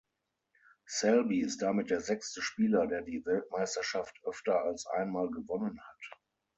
Selby ist damit der sechste Spieler, der die Weltmeisterschaft öfter als einmal gewonnen hat.